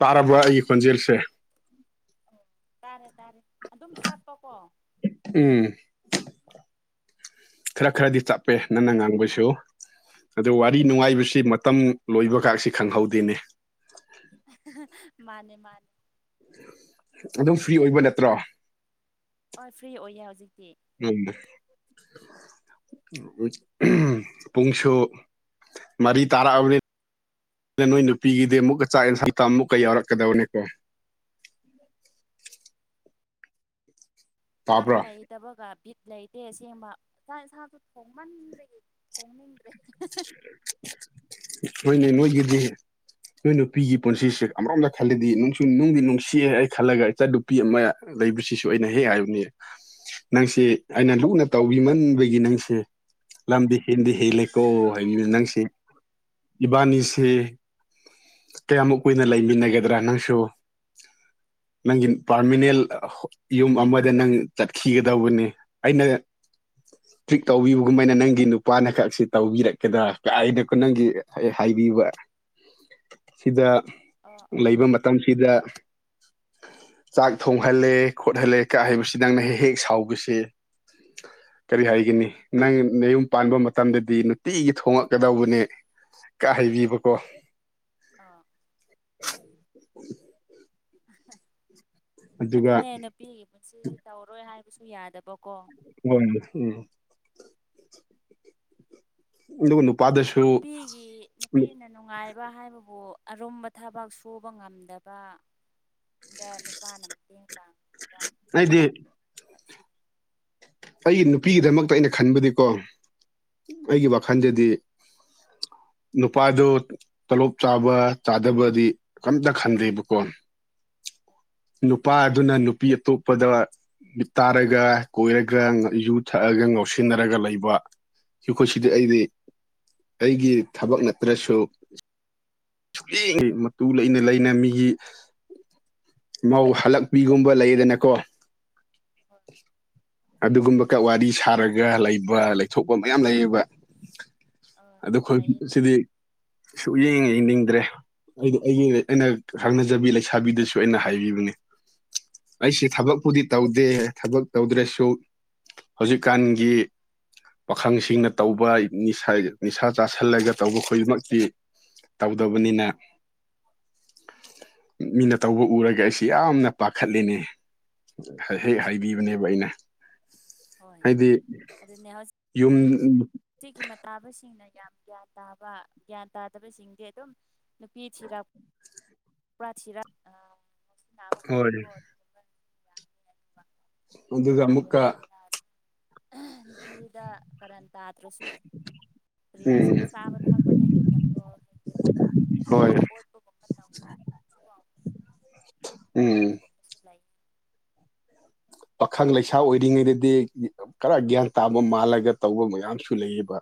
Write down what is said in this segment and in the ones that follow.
ꯇꯥꯔꯕꯥ ꯑꯩꯒꯤ ꯈꯣꯟꯖꯦꯜꯁꯦ ꯑꯣ ꯇꯥꯔꯦ ꯇꯥꯔꯦ ꯑꯗꯨꯝ ꯆꯠꯄꯀꯣ ꯎꯝ ꯈꯔ ꯈꯔꯗꯤ ꯆꯞꯄꯦ ꯅꯪꯅ ꯉꯥꯡꯕꯁꯨ ꯑꯗꯨ ꯋꯥꯔꯤ ꯅꯨꯡꯉꯥꯏꯕꯁꯤ ꯃꯇꯝ ꯂꯣꯏꯕꯒꯥꯁꯤ ꯈꯪꯍꯧꯗꯦꯅꯦ ꯃꯥꯅꯦ ꯃꯥꯅꯦ ꯑꯗꯨꯝ ꯐ꯭ꯔꯤ ꯑꯣꯏꯕ ꯅꯠꯇ꯭ꯔꯣ ꯍ ꯐ꯭ꯔꯤ ꯑꯣꯏꯌꯦ ꯍꯧꯖꯤꯛꯇꯤ ꯎꯝ ꯄꯨꯡꯁꯨ ꯃꯔꯤ ꯇꯥꯔꯛꯑꯕꯅꯤ ꯑꯗ ꯅꯣꯏ ꯅꯨꯄꯤꯒꯤꯗꯤ ꯑꯃꯨꯛꯀ ꯆꯥꯛ ꯌꯦꯟꯁꯥꯡꯇ ꯑꯃꯨꯛꯀ ꯌꯥꯎꯔꯛꯀꯗꯕꯅꯤꯀꯣ ꯀꯅꯥꯒ ꯇꯥꯕ꯭ꯔꯣ ꯂꯩ ꯍꯩꯇꯕꯒ ꯕꯤꯠ ꯂꯩꯇꯦ ꯑꯁꯦꯡꯕ ꯆꯥꯛ ꯏꯟꯁꯥꯡꯁꯨ ꯊꯣꯡꯃꯟꯕꯒꯤ ꯊꯣꯡꯅꯤꯡꯗ꯭ꯔꯦ ꯍꯣꯏꯅꯦ ꯅꯣꯏꯒꯤꯗꯤ ꯅꯣꯏ ꯅꯨꯄꯤꯒꯤ ꯄꯨꯟꯁꯤꯁꯦ ꯑꯃꯔꯣꯝꯗ ꯈꯜꯂꯗꯤ ꯅꯨꯡꯁꯨ ꯅꯨꯡꯗꯤ ꯅꯨꯡꯁꯤꯑꯦ ꯑꯩ ꯈꯜꯂꯒ ꯏꯆꯥꯟ ꯅꯨꯄꯤ ꯅꯨꯄꯤ ꯑꯃ ꯂꯩꯕꯁꯤꯁꯨ ꯑꯩꯅ ꯍꯦꯛ ꯍꯥꯏꯕꯅꯤ ꯅꯪꯁꯤ ꯑꯩꯅ ꯂꯨꯅ ꯇꯧꯕꯤꯃꯟꯕꯒꯤ ꯑꯗꯨꯅꯦ ꯅꯪꯁꯦ ꯂꯝꯗꯤ ꯍꯦꯟꯗꯤ ꯍꯦꯜꯂꯦ ꯀꯣ ꯍꯥꯏꯕꯤꯕꯅꯦ ꯅꯪꯁꯦ ꯏꯕꯥꯅꯤꯁꯦ ꯀꯩ ꯌꯥꯝ ꯀꯨꯏꯅ ꯂꯩꯃꯤꯟꯅꯒꯗ꯭ꯔꯥ ꯅꯪꯁꯨ ꯅꯪꯒꯤ ꯄꯥꯔꯃꯤꯅꯦꯟ ꯌꯨꯝ ꯑꯃꯗ ꯅꯪ ꯆꯠꯈꯤꯒꯗꯧꯕꯅꯦ ꯑꯩꯅ ꯇ꯭ꯔꯤꯠ ꯇꯧꯕꯤꯕꯒꯨꯝꯃꯥꯏꯅ ꯅꯪꯒꯤ ꯅꯨꯄꯥꯅ ꯈꯛꯁꯤ ꯇꯧꯕꯤꯔꯛꯀꯗ꯭ꯔꯥ ꯀꯥꯏꯅꯀꯣ ꯅꯪꯒꯤ ꯍꯥꯏꯕꯤꯕ ꯁꯤꯗ ꯑꯣ ꯑꯣ ꯂꯩꯕ ꯃꯇꯝ ꯁꯤꯗ ꯆꯥꯛ ꯊꯣꯡꯍꯜꯂꯦ ꯈꯣꯠꯍꯜꯂꯦ ꯀꯥꯢꯍꯥꯢꯕꯁꯤ ꯅꯪꯅ ꯍꯦꯛ ꯍꯦꯛ ꯁꯥꯎꯕꯁꯦ ꯀꯔꯤ ꯍꯥꯏꯒꯅꯤ ꯅꯪ ꯅꯌꯨꯝ ꯄꯥꯟꯕ ꯃꯇꯝꯗꯗꯤ ꯗꯤ ꯅꯨꯡꯇꯤꯒꯤ ꯊꯣꯉꯛꯀꯗꯧꯕꯅꯦ ꯀꯥꯢ ꯍꯥꯏꯕꯤꯕꯀꯣ ꯑꯥ ꯑꯗꯨꯒ ꯑꯗꯨꯅꯦ ꯅꯨꯄꯤꯒꯤ ꯄꯨꯟꯁꯤꯁꯦ ꯇꯧꯔꯣꯏ ꯍꯥꯏꯕꯁꯨ ꯌꯥꯗꯕꯀꯣ ꯍ ꯎ [inaudible] ꯑꯗꯨ ꯅꯨꯄꯥꯗꯨꯁꯨ ꯅꯨꯄꯤꯒꯤ ꯅꯨꯄꯤꯅ ꯅꯨꯡꯉꯥꯏꯕ ꯍꯥꯏꯕꯕꯨ ꯑꯔꯨꯝꯕ ꯊꯕꯛ ꯁꯨꯕ ꯉꯝꯗꯕ ꯗ ꯅꯨꯄꯥꯅ ꯃꯇꯦꯡ ꯄꯥꯡꯕ ꯑꯩꯗꯤ ꯑꯁꯤ ꯑꯩꯒꯤ ꯅꯨꯄꯤꯒꯤꯗꯃꯛꯇ ꯑꯩꯅ ꯈꯟꯕꯗꯤꯀꯣ ꯑꯩꯒꯤ ꯋꯥꯈꯜꯗꯗꯤ ꯅꯨꯄꯥꯥꯗꯨ ꯇꯣꯂꯣꯞ ꯆꯥꯕ ꯆꯥꯗꯕꯗꯤ ꯀꯝꯇ ꯈꯟꯗꯦꯕꯀꯣ ꯍ [inaudible] ꯅꯨꯄꯥ ꯑꯗꯨꯅ ꯅꯨꯄꯤ ꯑꯇꯣꯞꯄꯗ ꯃꯤꯠ ꯇꯥꯔꯒ ꯀꯣꯏꯔ ꯒ ꯌꯨ ꯊꯛꯑꯒ ꯉꯧꯁꯤꯟꯅꯔꯒ ꯂꯩꯕ ꯃꯈꯣꯏ ꯁꯤꯗꯤ ꯑꯩꯗꯤ ꯑꯩꯒꯤ ꯊꯕꯛ ꯅꯠꯇ꯭ꯔꯁꯨ ꯃꯤꯒꯤ ꯃꯇꯨ ꯂꯩꯅ ꯂꯩꯅ ꯃꯤꯒꯤ ꯃꯧ ꯍꯜꯂꯛꯄꯤꯒꯨꯝꯕ ꯂꯩꯗꯅꯀꯣ ꯍꯣꯏ ꯑꯗꯨꯒꯨꯝꯕ ꯋꯥꯔꯤ ꯁꯥꯔꯒ ꯂꯩꯕ ꯂꯩꯊꯣꯛꯄ ꯃꯌꯥꯝ ꯂꯩꯌꯦꯕ ꯍꯣꯏ ꯑꯩꯈꯣꯏ ꯂꯩꯌꯦ ꯂꯩꯌꯦ ꯁꯤꯗꯤ ꯁꯨꯌꯦꯡ ꯏꯅꯤꯡꯗ꯭ꯔꯦ ꯑꯩꯗꯤ ꯑꯩꯒꯤ ꯑꯩꯅ ꯈꯪꯅꯖꯕꯤ ꯂꯩꯁꯥꯕꯤꯗꯁꯨ ꯑꯩꯅ ꯍꯥꯏꯕꯤꯕꯅꯦ ꯑꯩꯁꯤ ꯊꯕꯛꯄꯨꯗꯤ ꯇꯧꯗꯦ ꯊꯕꯛ ꯇꯧꯗ꯭ꯔꯁꯨ ꯍꯧꯖꯤꯛꯀꯥꯟꯒꯤ ꯄꯥꯈꯪꯁꯤꯡꯅ ꯇꯧꯕ ꯅꯤꯁ ꯅꯤꯁꯥ ꯆꯥꯥꯁꯜꯂꯒ ꯇꯧꯕ ꯈꯣꯏꯃꯛꯇꯤ ꯇꯧꯗꯕꯅꯤꯅ ꯃꯤꯅ ꯇꯧꯕ ꯎꯔꯒ ꯑꯩꯁꯤ ꯌꯥꯝꯅ ꯄꯥꯈꯠꯔꯦꯅꯦ ꯍꯦꯛ ꯍꯥꯏꯕꯤꯕꯅꯦꯕ ꯑꯩꯅ ꯍꯣꯏ ꯍꯥꯏꯗꯤ ꯑꯗꯨꯅꯦ ꯌꯨꯝ [unintelligible] ꯇꯥꯕꯁꯤꯡꯅ ꯌꯥꯝ ꯒ꯭ꯌꯥꯟ ꯇꯥꯕ ꯒ꯭ꯌꯥꯟ ꯇꯥꯗꯕꯁꯤꯡꯗꯤ ꯑꯗꯨꯝ ꯅꯨꯄꯤ ꯊꯤꯔꯥꯛ ꯄꯔꯥ ꯊꯤꯔꯥꯛ ꯑꯥ ꯉꯥꯎꯁꯤꯟꯅꯕ ꯍꯣꯏ ꯍꯧꯕꯀꯣ ꯑꯗꯨ ꯑꯗꯨꯒ ꯀꯔꯤ ꯑꯃꯨꯛꯀ ꯍꯥꯏꯁꯤꯔ ꯅꯨꯄꯤꯗ ꯀꯔꯟ ꯇꯥꯗ꯭ꯔꯁꯨ ꯀꯩ ꯎꯝ ꯍꯥꯢꯁꯤꯔ ꯆꯥꯕ ꯊꯛꯄꯗꯩ ꯍꯧꯗꯅ ꯑꯗꯨꯝ ꯍꯣꯏ ꯑꯣꯠꯄꯒꯨꯝꯕ ꯇꯧ ꯎꯝ ꯑꯗꯨꯒꯨꯝꯕꯁꯨ ꯂꯩ ꯄꯥꯈꯪ ꯂꯩꯁꯥ ꯑꯣꯏꯔꯤꯉꯩꯗꯗꯤ ꯈꯔ ꯒ꯭ꯌꯥꯟ ꯇꯥꯕ ꯃꯥꯜꯂꯒ ꯇꯧꯕ ꯃꯌꯥꯝꯁꯨ ꯂꯩꯌꯦꯕ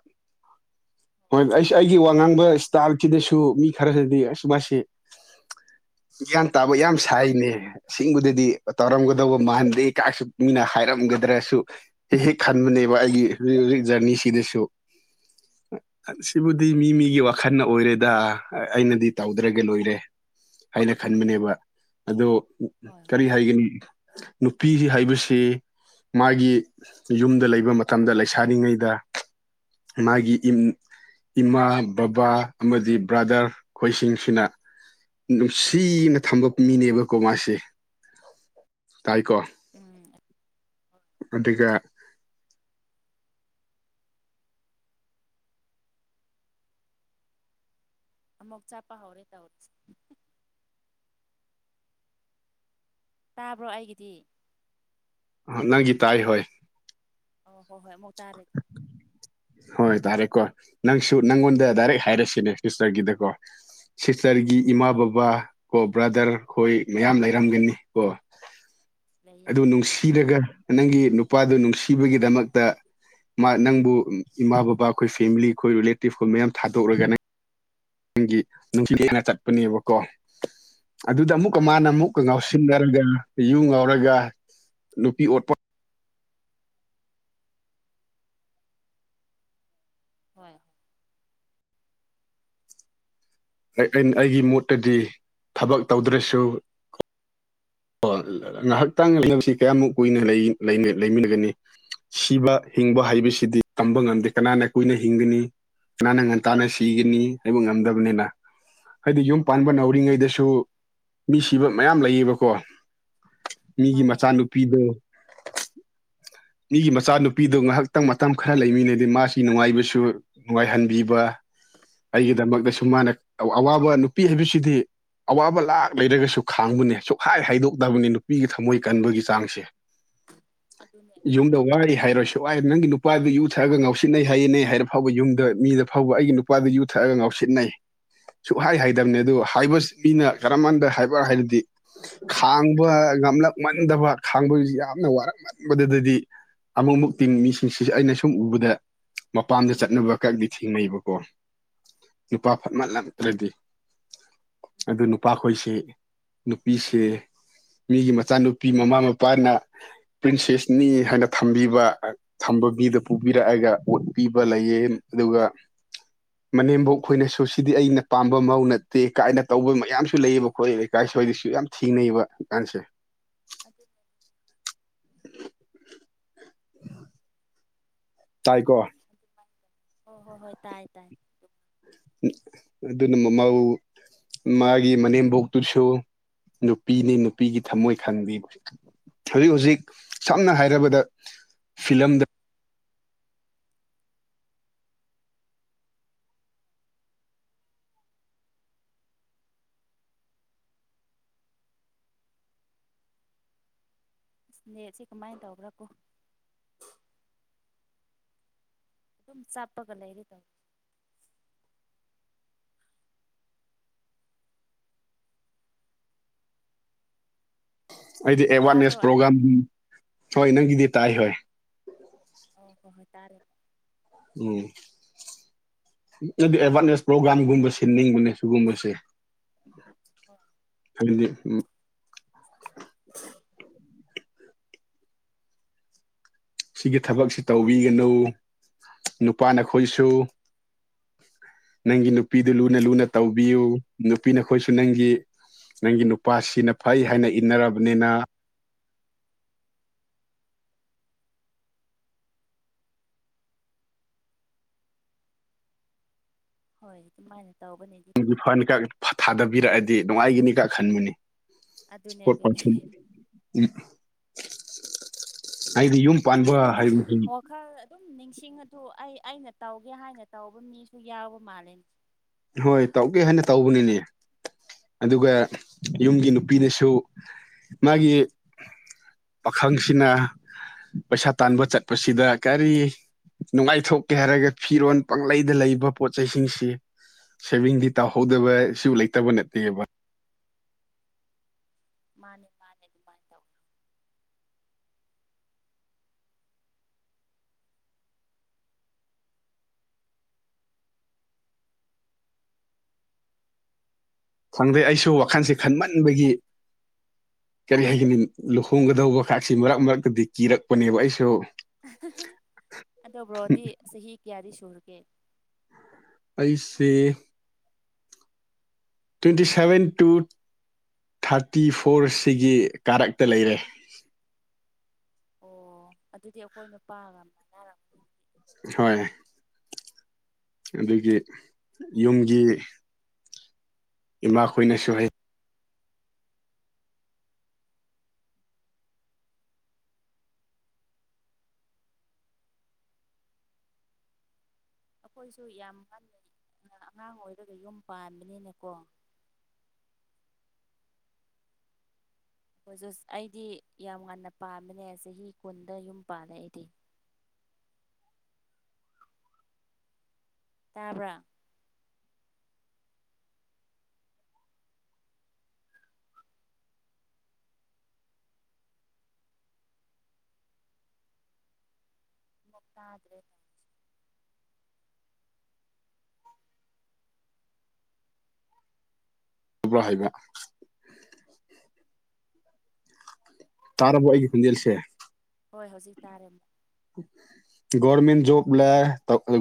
ꯍꯣꯏ ꯑꯩꯁ ꯑꯩꯒꯤ ꯋꯥ ꯉꯥꯡꯕ ꯏꯁꯇꯥꯐꯁꯤꯗꯁꯨ ꯃꯤ ꯈꯔꯗꯗꯤ ꯑꯁ ꯃꯥꯁꯤ ꯒ꯭ꯌꯥꯟ ꯇꯥꯕ ꯌꯥꯝ ꯁꯥꯏꯅꯦ ꯑꯁꯦꯡꯕꯗꯗꯤ ꯇꯧꯔꯝꯒꯗꯧꯕ ꯃꯥꯟꯗꯦ ꯀꯥꯏꯁꯨ ꯃꯤꯅ ꯍꯥꯏꯔꯝꯒꯗ꯭ꯔꯁꯨ ꯍꯦꯛ ꯍꯦꯛ ꯈꯟꯕꯅꯦꯕ ꯑꯩꯒꯤ ꯍꯧ ꯍꯧꯖꯤꯛ ꯖꯔꯅꯤꯁꯤꯗꯁꯨ ꯁꯤꯕꯨꯗꯤ ꯃꯤ ꯃꯤꯒꯤ ꯋꯥꯈꯜꯗ ꯑꯣꯏꯔꯦꯗ ꯑꯩꯅꯗꯤ ꯇꯧꯗ꯭ꯔꯒ ꯂꯣꯏꯔꯦ ꯑꯩꯅ ꯈꯟꯕꯅꯦꯕ ꯑꯗꯣ ꯍꯣꯏ ꯀꯔꯤ ꯍꯥꯏꯒꯅꯤ ꯅꯨ ꯄꯤ ꯍꯥꯏꯕꯁꯤ ꯃꯥꯒꯤ ꯌꯨꯝꯗ ꯂꯩꯕ ꯃꯇꯝꯗ ꯂꯩꯁꯥꯔꯤꯉꯩꯗ ꯃꯥꯒꯤ ꯏꯝ ꯏꯃꯥ ꯕꯕꯥ ꯑꯃꯗꯤ ꯕ꯭ꯔꯥꯗꯔ ꯈꯣꯏꯁꯤꯡꯁꯤꯅ ꯅꯨꯡꯁꯤꯅ ꯊꯝꯕ ꯃꯤꯅꯦꯕꯀꯣ ꯃꯥꯁꯦ ꯇꯥꯏꯀꯣ ꯎꯝ ꯍꯣꯏ ꯑꯗꯨꯒ ꯑꯃꯨꯛ ꯆꯥꯞꯄ ꯍꯧꯔꯦ ꯇꯧꯔꯤꯁꯦ ꯇꯥꯕ꯭ꯔꯣ ꯑꯩꯒꯤꯗꯤ ꯑꯥ ꯅꯪꯒꯤ ꯇꯥꯏ ꯍꯣꯏ ꯑꯣ ꯍꯣꯏ ꯍꯣꯏ ꯑꯃꯨꯛ ꯇꯥꯔꯦ ꯍꯣꯏ ꯇꯥꯔꯦꯀꯣ ꯅꯪꯁꯨ ꯍꯣꯏ ꯅꯪꯉꯣꯟꯗ ꯗꯥꯏꯔꯦꯛ ꯍꯥꯏꯔꯁꯤꯅꯦ ꯁꯤꯁꯇꯔꯒꯤꯗꯀꯣ ꯁꯤꯁꯇꯔꯒꯤ ꯏꯃꯥ ꯕꯕꯥ ꯀꯣ ꯕ꯭ꯔꯥꯗꯔ ꯑꯩꯈꯣꯏ ꯃꯌꯥꯝ ꯂꯩꯔꯝꯒꯅꯤ ꯀꯣ ꯂꯩꯌꯦ ꯑꯗꯨ ꯂꯩ ꯅꯨꯡꯁꯤꯔꯒ ꯅꯪꯒꯤ ꯅꯨꯄꯥꯗꯨ ꯅꯨꯡꯁꯤꯕꯒꯤꯗꯃꯛꯇ ꯃꯥ ꯅꯪꯕꯨ ꯏꯃꯥ ꯕꯕꯥ ꯑꯩꯈꯣꯏ ꯐꯦꯃꯤꯂꯤ ꯑꯩꯈꯣꯏ ꯔꯤꯂꯦꯇꯤꯞ ꯑꯩꯈꯣꯏ ꯃꯌꯥꯝ ꯊꯥꯗꯣꯛꯔꯒ ꯅꯪ ꯅꯪꯒꯤ ꯅꯨꯡꯊꯤꯅ ꯆꯠꯄꯅꯦꯕꯀꯣ ꯑꯗꯨꯗ ꯑꯃꯨꯛꯀ ꯃꯥꯅꯦ ꯃꯥꯅ ꯃꯥꯅꯦ ꯑꯃꯨꯛꯀ ꯉꯥꯎꯁꯤ ꯉꯥꯎꯁꯤꯟꯅꯔꯒ ꯌꯨ ꯉꯥꯎꯔꯒ ꯅꯨꯄꯤ ꯑꯣꯠꯄ ꯍꯣꯏ ꯑꯩ ꯑꯩꯒꯤ ꯃꯣꯠꯇꯗꯤ ꯊꯕꯛ ꯇꯧꯗ꯭ꯔꯁꯨ ꯑꯣ ꯉꯥꯏꯍꯥꯛꯇꯥꯡ ꯂꯩꯅꯕꯁꯤ ꯀꯌꯥꯝꯃꯨꯛ ꯀꯨꯏꯅ ꯂꯩꯃꯤꯟꯅꯒꯅꯤ ꯁꯤꯕ ꯍꯤꯡꯕ ꯍꯥꯏꯕꯁꯤꯗꯤ ꯇꯝꯕ ꯉꯝꯗꯦ ꯀꯅꯥꯅ ꯀꯨꯏꯅ ꯍꯤꯡꯒꯅꯤ ꯀꯥꯅꯅ ꯉꯟꯇꯥꯅ ꯁꯤꯒꯅꯤ ꯍꯥꯏꯕ ꯉꯝꯗꯕꯅꯤꯅ ꯍꯥꯏꯗꯤ ꯌꯨꯝ ꯄꯥꯟꯕ ꯑꯗꯨꯅꯦ ꯅꯧꯔꯤꯉꯩꯗꯁꯨ ꯑꯗꯨꯅꯦ ꯃꯤ ꯁꯤꯕ ꯃꯌꯥꯝ ꯂꯩꯌꯦꯕꯀꯣ ꯃꯤꯒꯤ ꯃꯥꯅꯦ ꯃꯆꯥꯅꯨꯄꯤꯗꯣ ꯃꯤꯒꯤ ꯃꯆꯥꯅꯨꯄꯤꯗꯣ ꯉꯥꯏꯍꯥꯛꯇꯪ ꯃꯇꯝ ꯈꯔ ꯂꯩꯃꯤꯟꯅꯗꯤ ꯃꯥꯁꯤ ꯅꯨꯡꯉꯥꯏꯕꯁꯨ ꯅꯨꯡꯉꯥꯏꯍꯟꯕꯤꯕ ꯑꯩꯒꯤꯗꯃꯛꯇꯁꯨꯨꯝ ꯃꯥꯅ ꯑꯋꯥꯕ ꯅꯨꯄꯤ ꯍꯥꯏꯕꯁꯤꯗꯤ ꯑꯋꯥꯕ ꯂꯥꯛ ꯂꯩꯔꯒꯁꯨ ꯈꯥꯡꯕꯅꯦ ꯁꯨꯛꯈꯥꯏ ꯍꯥꯏꯗꯣꯛꯇꯕꯅꯤ ꯅꯨꯄꯤꯒꯤ ꯊꯝꯃꯣꯏ ꯀꯟꯕꯒꯤ ꯆꯥꯡꯁꯦ ꯑꯗꯨꯅꯦ ꯌꯨꯝꯗ ꯋꯥꯏ ꯍꯥꯏꯔꯣꯏꯁꯨ ꯋꯥꯏ ꯅꯪꯒꯤ ꯅꯨꯄꯥꯗꯨ ꯌꯨ ꯊꯛꯑꯒ ꯉꯥꯎꯁꯤꯟꯅꯩ ꯍꯥꯏꯌꯦꯅꯩ ꯍꯥꯏꯔ ꯐꯥꯎꯕ ꯌꯨꯝꯗ ꯃꯤꯗ ꯐꯥꯎꯕ ꯑꯩꯒꯤ ꯅꯨꯄꯥ ꯅꯨꯄꯥꯗꯨ ꯌꯨ ꯊꯛꯑꯒ ꯉꯥꯎꯁꯤꯅꯩ ꯁꯨꯛꯍꯥꯏ ꯍꯥꯏꯗꯕꯅꯦ ꯑꯗꯨ ꯍꯥꯏꯕ ꯃꯤꯅ ꯀꯔꯝ ꯀꯥꯟꯗ ꯍꯥꯏꯕ ꯍꯥꯏꯔꯗꯤ ꯈꯥꯡꯕ ꯉꯝꯂꯛꯃꯟꯗꯕ ꯈꯥꯡꯕꯁꯨ ꯌꯥꯝꯅ ꯋꯥꯔꯛꯃꯟꯕꯗꯨꯗꯗꯤ ꯑꯃꯨꯛ ꯃꯨꯛ ꯇꯤꯡ ꯃꯤꯁꯤꯡꯁꯤꯁꯨ ꯑꯩꯅ ꯁꯨꯝ ꯎꯕꯗ ꯃꯄꯥꯝꯗ ꯆꯠꯂꯨꯕ ꯈꯛꯇꯗꯤ ꯊꯦꯡꯅꯩꯑꯕꯀꯣ꯫ ꯅꯨꯄꯥ ꯐꯠꯃꯜꯂꯛꯇ꯭ꯔꯗꯤ ꯑꯗꯨ ꯅꯨꯄꯥꯈꯣꯏꯁꯤ꯫ ꯅꯨꯄꯤꯁꯦ ꯃꯤꯒꯤ ꯃꯆꯥꯅꯨꯄꯤ ꯃꯃꯥ ꯃꯄꯥꯅ꯫ ꯄ꯭ꯔꯤꯟꯁꯦꯁꯅꯤ ꯍꯥꯏꯅ ꯊꯝꯕꯤꯕ꯫ ꯊꯝꯕ ꯃꯤꯗ ꯄꯨꯕꯤꯔꯛꯑꯒ ꯑꯣꯠꯄꯤꯕ ꯂꯩꯌꯦ ꯑꯗꯨꯒ꯫ ꯃꯅꯦꯝꯕꯣꯛ ꯈꯣꯏꯅꯁꯨ ꯁꯤꯗꯤ ꯑꯩꯅ ꯄꯥꯝꯕ ꯃꯧ ꯅꯠꯇꯦ ꯀꯥꯏꯅ ꯇꯧꯕ ꯃꯌꯥꯝꯁꯨ ꯂꯩꯌꯦꯕ ꯈꯣꯏ ꯂꯩ꯫ ꯏꯀꯥꯏ ꯁꯣꯏꯗꯁꯨ ꯌꯥꯝ ꯊꯤꯅꯩꯕꯀꯥꯟꯁꯦ꯫ ꯑꯗꯨꯅ꯫ ꯎ꯫ ꯇꯥꯏꯀꯣ ꯍꯣꯏ ꯍꯣꯏ ꯍꯣꯏ ꯇꯥꯏ ꯇꯥꯏ ꯑꯗꯨꯅ ꯃꯃꯧ ꯃꯥꯒꯤ ꯃꯅꯦꯝꯕꯣꯛꯇꯨꯁꯨ ꯅꯨꯄꯤꯅꯤ ꯅꯨꯄꯤꯒꯤ ꯊꯝꯃꯣꯏ ꯈꯟꯕꯤ ꯍꯧꯖꯤꯛ ꯍꯧꯖꯤꯛ ꯁꯝꯅ ꯍꯥꯏꯔꯕꯗ ꯐꯤꯂꯝꯗ ꯑꯁ ꯅꯦꯠꯁꯦ ꯀꯃꯥꯏꯅ ꯇꯧꯕ꯭ꯔꯥ ꯀꯣ ꯑꯗꯨꯝ ꯆꯞꯄꯒ ꯂꯩꯔꯦ ꯇꯧ ꯑꯩꯗꯤ ꯇꯥꯕ꯭ꯔꯣ ꯑꯦꯋꯥꯔꯅꯦꯁ ꯄ꯭ꯔꯣꯒꯥꯥꯝ ꯑꯩꯒꯤꯗꯤ ꯍꯣꯏ ꯅꯪꯒꯤꯗꯤ ꯇꯥꯏ ꯍꯣꯏ ꯑꯣ ꯍꯣ ꯍꯣꯏ ꯇꯥꯔꯦ ꯎꯝ ꯑꯗꯨꯗꯤ ꯑꯦꯋꯥꯔꯅꯦꯁ ꯄ꯭ꯔꯣꯒ꯭ꯔꯥꯝꯒꯨꯝꯕ ꯁꯤꯟꯅꯤꯡꯕꯅꯦ꯫ ꯁꯤꯒꯨꯝꯕꯁꯦ ꯍꯥꯏꯗꯤ ꯎ꯫ ꯁꯤꯒꯤ ꯊꯕꯛꯁꯤ ꯇꯧꯕꯤꯒꯅꯨ ꯅꯨꯄꯥ ꯅꯈꯣꯏꯁꯨ꯫ ꯅꯪꯒꯤ ꯅꯨꯄꯤꯗꯨ ꯂꯨꯅ ꯂꯨꯅ ꯇꯧꯕꯤꯌꯨ ꯅꯨꯄꯤ ꯅꯈꯣꯏꯁꯨ ꯅꯪꯒꯤ꯫ ꯅꯪꯒꯤ ꯅꯨꯄꯥ ꯁꯤꯅ ꯐꯩ ꯍꯥꯏꯅ ꯏꯟꯅꯔꯕꯅꯤꯅ꯫ ꯍꯣꯏ ꯑꯗꯨꯃꯥꯏꯅ ꯇꯧꯕꯅꯤ꯫ ꯒꯤ ꯐꯟ ꯈ ꯊꯥꯗꯕꯤꯔꯛꯑꯗꯤ ꯅꯨꯡꯉꯥꯏꯒꯅꯤꯒ ꯈꯟꯕꯅꯤ꯫ ꯑꯗꯨꯅꯦ ꯑꯗꯨꯅꯦ [unintelligible] ꯑꯩꯗꯤ ꯌꯨꯝ ꯄꯥꯟꯕ ꯍꯥꯏꯕꯕꯁꯤ꯫ ꯈꯔ ꯑꯗꯨꯝ ꯅꯤꯡꯁꯤꯡ ꯑ ꯑꯗꯨ ꯑꯩ ꯑꯩꯅ ꯇꯧꯒꯦ ꯍꯥꯏꯅ ꯇꯧꯕ ꯃꯤꯁꯨ ꯌꯥꯎꯕ ꯃꯥꯜꯂꯅꯦ꯫ ꯍꯣꯏ ꯇꯧꯒꯦ ꯍꯥꯏꯅ ꯇꯧꯕꯅꯤꯅꯦ꯫ ꯑꯗꯨꯒ ꯌꯨꯝꯒꯤ ꯅꯨꯄꯤꯅꯁꯨ ꯃꯥꯒꯤ꯫ ꯄꯥꯈꯪꯁꯤꯅ ꯄꯩꯁꯥ ꯇꯥꯟꯕ ꯆꯠꯄꯁꯤꯗ ꯀꯔꯤ꯫ ꯅꯨꯡꯉꯥꯏꯊꯣꯛꯀꯦ ꯍꯥꯏꯔꯒ ꯐꯤꯔꯣꯟꯜ ꯄꯥꯡꯂꯩꯗ ꯂꯩꯕ ꯄꯣꯠ ꯆꯩꯁꯤꯡꯁꯤ꯫ ꯁꯦꯚꯤꯡꯗꯤ ꯇꯧꯍꯧꯗꯕ ꯁꯨ ꯂꯩꯇꯕ ꯅꯠꯇꯦꯕ꯫ ꯃꯥꯅꯦ ꯃꯥꯅꯦ ꯑꯗꯨꯃꯥꯏꯅ ꯇꯧꯏ꯫ ꯈꯪꯗꯦ ꯑꯩꯁꯨ ꯋꯥꯈꯜꯁꯦ ꯈꯟꯃꯟꯕꯒꯤ꯫ ꯀꯔꯤ ꯍꯥꯏꯒꯅꯤ ꯂꯨꯍꯣꯡꯒꯗꯧꯕ ꯈꯁꯤ ꯃꯔꯛ ꯃꯔꯛꯇꯗꯤ ꯀꯤꯔꯛꯄꯅꯦꯕ ꯑꯩꯁꯨ꯫ ꯑꯗꯨ ꯕ꯭ꯔꯣꯗꯤ ꯆꯍꯤ ꯀꯌꯥꯗꯤ ꯁꯨꯔꯒꯦ꯫ ꯑꯩꯁꯦ꯫ ꯇ꯭ꯋꯦꯟꯇꯤ ꯁꯚꯦꯟ ꯇꯨ ꯊꯥꯔꯇꯤ ꯐꯣꯔꯁꯤꯒꯤ ꯀꯥꯔꯛꯇ ꯂꯩꯔꯦ꯫ ꯑꯣ ꯑꯗꯨꯗꯤ ꯑꯩꯈꯣꯏ ꯅꯨꯄꯥꯒ ꯃꯅꯥꯔꯝ꯫ ꯍꯣꯏ ꯑꯗꯨꯒꯤ ꯌꯨꯝꯒꯤ꯫ ꯏꯃꯥꯈꯣꯏꯅꯁꯨ ꯍꯩ꯫ ꯑꯩꯈꯣꯏꯁꯨ ꯌꯥꯝ ꯉꯟꯅꯩ ꯑꯉꯥꯡ ꯑꯣꯏꯔꯒ ꯌꯨꯝ ꯄꯥꯟꯕꯅꯤꯅꯀꯣ꯫ ꯑꯣꯖ ꯑꯩꯗꯤ ꯌꯥꯝ ꯉꯥꯟꯅ ꯄꯥꯝꯕꯅꯦ ꯆꯍꯤ ꯀꯨꯟꯗ ꯌꯨꯝ ꯄꯥꯜꯂꯦ ꯑꯩꯗꯤ꯫ ꯇꯥꯕ꯭ꯔꯥ꯫ [unintelligible] ꯑꯃꯨꯛ ꯇꯗꯔꯦꯅꯦ꯫ ꯊꯕ꯭ꯔ ꯍꯥꯏꯕ꯫ ꯇꯥꯔꯕꯣ ꯑꯩꯒꯤ ꯈꯣꯟꯖꯦꯜꯁꯦ꯫ ꯍꯣꯏ ꯍꯧꯖꯤꯛ ꯇꯥꯔꯦ ꯑꯃꯨꯛ꯫ ꯒꯣꯔꯃꯦꯟ ꯖꯣꯕ ꯂ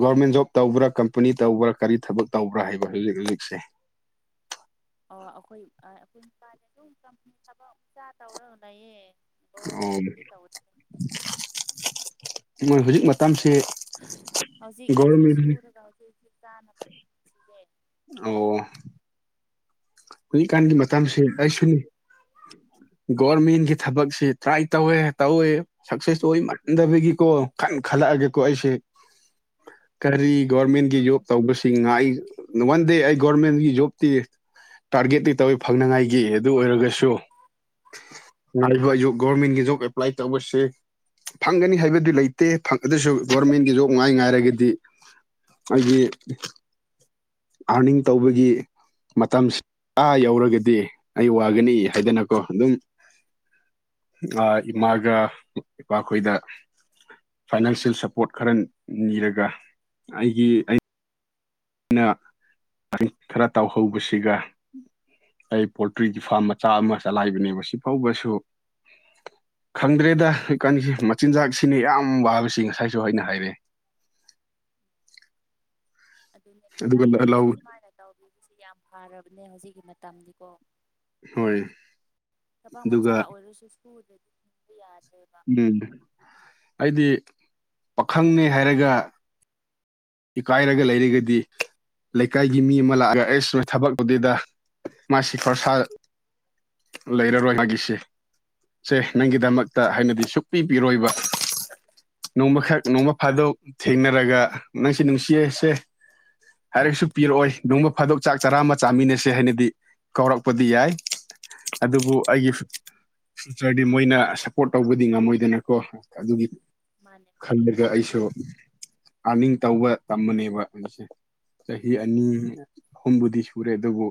ꯒꯣꯔꯃꯦꯟ ꯖꯣꯕ ꯇꯧꯕ꯭ꯔꯥ ꯀꯝꯄꯅꯤ ꯇꯧꯕ꯭ꯔꯥ ꯀꯔꯤ ꯊꯕꯛ꯫ ꯇꯧꯕ꯭ꯔꯥ ꯍꯥꯏꯕ ꯍꯧꯖꯤꯛ ꯍꯧꯖꯤꯛꯁꯦ꯫ ꯑꯣ ꯑꯩꯈꯣꯏ ꯑꯩꯈꯣꯏ ꯃꯄꯥꯅꯤ ꯑꯗꯨꯝ ꯀꯝꯄꯅꯤ ꯊꯕꯛ ꯆ ꯇꯧꯔ ꯂꯩꯌꯦ ꯑꯣ ꯒꯣꯚꯔꯃꯦꯟꯗꯤ ꯇꯧꯔꯤ [unintelligible] ꯃꯣꯏ ꯍꯧꯖꯤꯛ ꯃꯇꯝꯁꯦ ꯍꯧꯖꯤꯛ ꯍꯧꯖꯤꯛ ꯒꯣꯔꯃꯦꯟ ꯁꯨꯔꯒ ꯍꯧꯖꯤꯛ ꯍꯧꯖꯤꯛ ꯆꯥꯟꯅꯕ ꯑꯗꯨꯝ ꯁꯤꯜꯂꯦ ꯑꯣ ꯍꯧꯖꯤꯛꯀꯥꯟꯒꯤ ꯃꯇꯥꯡꯁꯤ ꯑꯩꯁꯨꯅꯤ ꯒꯣꯔꯃꯦꯟꯒꯤ ꯊꯕꯛꯁꯤ ꯇ꯭ꯔꯥꯏ ꯇꯧꯋꯦ ꯇꯧꯋꯦ ꯁꯛꯁꯦꯁꯇ ꯑꯣꯏ ꯃꯟꯗꯕꯒꯤꯀꯣ ꯈꯟ ꯈꯜꯂꯛꯑꯒꯦ꯫ ꯀꯣ ꯑꯩꯁꯦ ꯀꯔꯤ ꯒꯣꯔꯃꯦꯟꯒꯤ ꯖꯣꯕ ꯇꯧꯕꯁꯦ꯫ ꯉꯥꯢ ꯋꯥꯟ ꯗꯦ ꯑꯩ ꯒꯣꯔꯃꯦꯟꯒꯤ ꯖꯣꯕꯇꯤ꯫ ꯇꯥꯔꯒꯦꯠꯇꯤ ꯇꯧꯋꯏ ꯐꯪꯅꯉꯥꯏꯒꯤ ꯑꯗꯨ ꯑꯣꯏꯔꯒꯁꯨ꯫ ꯉꯥꯏꯔꯤꯕ ꯒꯣꯔꯃꯦꯟꯒꯤ ꯖꯣꯕ ꯑꯦꯄ꯭ꯂꯥꯏ ꯇꯧꯕꯁꯦ꯫ ꯐꯪꯒꯅꯤ ꯍꯥꯏꯕꯗꯨ ꯂꯩꯇꯦ ꯑꯗꯨꯁꯨ ꯒꯣꯔꯃꯦꯟꯒꯤ ꯖꯣꯕ ꯉꯥꯏ ꯉꯥꯏꯔꯒꯗꯤ꯫ ꯑꯩꯒꯤ ꯑꯥꯔꯅꯤꯡ ꯇꯧꯕꯒꯤ꯫ ꯃꯇꯝꯁꯤ ꯑꯥ ꯌꯧꯔꯒꯗꯤ ꯑꯩ ꯋꯥꯒꯅꯤ ꯍꯥꯏꯗꯅꯀꯣ ꯑꯗꯨꯝ ꯑ ꯏꯃꯥꯒ ꯏꯄꯥꯈꯣꯏꯗ ꯐꯥꯏꯅꯥꯟꯁꯤꯌꯦꯜ ꯁꯞꯄꯣꯔꯠ ꯈꯔ ꯅꯤꯔꯒ ꯑꯩꯒꯤ ꯑꯩ ꯅ ꯈꯔ ꯇꯥꯎꯍꯧꯕꯁꯤꯒ ꯑꯩ ꯄꯣꯜꯇ꯭ꯔꯤꯒꯤ ꯐꯥꯔꯝ ꯃꯆꯥ ꯑꯃ ꯆꯂꯥꯏꯕꯅꯦꯕ ꯁꯤꯐꯥꯎꯕꯁꯨ ꯈꯪꯗ꯭ꯔꯦꯗ ꯍꯨꯏꯀꯥꯟꯁꯤ ꯃꯆꯤꯟꯖꯥꯛꯁꯤꯅ ꯌꯥꯝ ꯋꯥꯕꯁꯤ ꯉꯁꯥꯏꯁꯨ ꯑꯩꯅ ꯍꯥꯏꯔꯦ ꯑꯗꯨꯅꯦ ꯑꯗꯨꯒ ꯈꯤꯇꯪ ꯂꯧ ꯑꯣꯔꯗꯔꯁꯨ ꯁꯨꯃꯥꯏꯅ ꯇꯧꯕꯤꯁ ꯌꯥꯝ ꯐꯔꯕꯅꯦ ꯍꯧꯖꯤꯛꯀꯤ ꯃꯇꯝꯗꯤꯀꯣ ꯍꯣꯏ ꯊꯕꯛ ꯃꯆꯥ ꯑꯗꯨꯒ ꯑꯣꯏꯔꯁꯨ ꯁ꯭ꯀꯨꯜꯗ꯭ꯔꯗꯤ ꯌꯥꯗ꯭ꯔꯦꯕ ꯎꯝ ꯑꯩꯗꯤ ꯄꯥꯈꯪꯅꯤ ꯍꯥꯏꯔꯒ ꯏꯀꯥꯏꯔꯒ ꯂꯩꯔꯒꯗꯤ ꯂꯩꯀꯥꯏꯒꯤ ꯃꯤ ꯑꯃ ꯂꯥꯛꯑꯒ ꯑꯩꯁ ꯅꯣꯏ ꯊꯕꯛꯇꯨꯗꯩꯗ ꯃꯥꯁꯤ ꯈꯣꯔꯁꯥ ꯂꯩꯔꯔꯣꯏ ꯃꯥꯒꯤꯁꯤ ꯁꯦ ꯅꯪꯒꯤꯗꯃꯛꯇ ꯍꯥꯏꯅꯗꯤ ꯁꯨꯛꯄꯤ ꯄꯔꯣꯏꯕ ꯅꯣꯡꯃꯈꯛ ꯅꯣꯡꯃ ꯐꯥꯗꯣꯛ ꯊꯦꯡꯅꯔꯒ ꯅꯪꯁ ꯅꯨꯡꯁꯤꯌꯦꯁꯦ ꯍꯥꯏꯔꯛꯁꯨ ꯄꯤꯔꯛꯑꯣꯏ ꯅꯨꯡꯃ ꯐꯥꯗꯣꯛ ꯆꯥꯛ ꯆꯔꯥ ꯑꯃ ꯆꯥꯃꯤꯟꯅꯁꯦ ꯍꯥꯏꯅꯗꯤ ꯀꯧꯔꯛꯄꯗꯤ ꯌꯥꯏ ꯑꯗꯨꯕꯨ ꯑꯩꯒꯤ ꯐ꯭ꯌꯨꯆꯔꯗꯤ ꯃꯣꯏꯅ ꯁꯞꯄꯣꯔꯠ ꯇꯧꯕꯗꯤ ꯉꯝꯃꯣꯏ ꯗꯅꯀꯣ ꯑꯗꯨꯒꯤ ꯃꯥꯅꯦ ꯃꯥꯅꯦ ꯈꯜꯂꯒ ꯑꯩꯁꯨ ꯑꯥꯅꯤꯡ ꯇꯧꯕ ꯇꯝꯕꯅꯦꯕ ꯍꯧꯁꯦ ꯆꯍꯤ ꯑꯅꯤ ꯑꯍꯨꯝꯕꯨꯗꯤ ꯁꯨꯔꯦ ꯑꯗꯨꯕꯨ